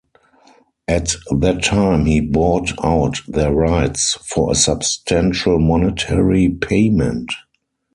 At that time he bought out their rights for a substantial monetary payment.